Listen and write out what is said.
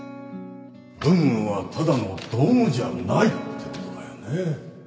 文具はただの道具じゃないってことだよね